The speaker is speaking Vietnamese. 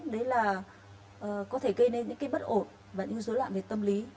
đấy là có thể gây nên những cái bất ổn và những dối loạn về tâm lý